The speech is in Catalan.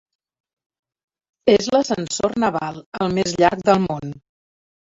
És l'ascensor naval el més llarg del món.